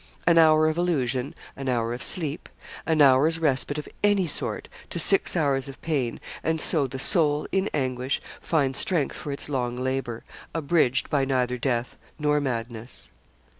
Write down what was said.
An hour of illusion an hour of sleep an hour's respite of any sort, to six hours of pain and so the soul, in anguish, finds strength for its long labour, abridged by neither death nor madness.